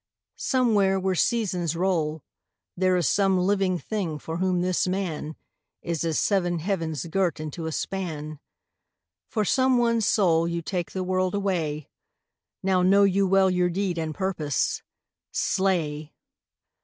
somewhere where seasons roll There is some living thing for whom this man Is as seven heavens girt into a span, For some one soul you take the world away Now know you well your deed and purpose. Slay!'